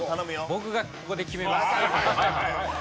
僕がここで決めます。